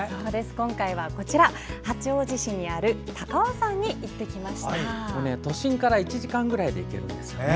今回は東京・八王子市にある都心から１時間くらいで行けるんですね。